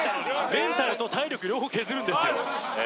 メンタルと体力両方削るんですよ